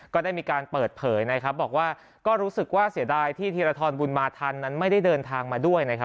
ก็ได้มีการเปิดเผยนะครับบอกว่าก็รู้สึกว่าเสียดายที่ธีรทรบุญมาทันนั้นไม่ได้เดินทางมาด้วยนะครับ